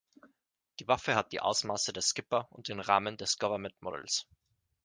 Die Waffe hat die Ausmaße der "Skipper" und den Rahmen des Government-Modells.